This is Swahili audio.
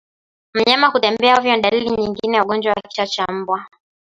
Mnyama kutembea ovyo ni dalili nyingine ya ugonjwa wa kichaa cha mbwa